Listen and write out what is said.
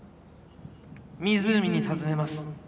湖にたずねます。